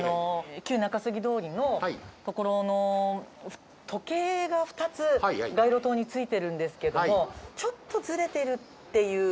旧中杉通りの所の時計が２つ街路灯についてるんですけどもちょっとズレてるっていう。